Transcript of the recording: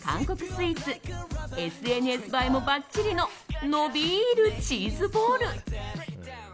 スイーツＳＮＳ映えもばっちりののびるチーズボール。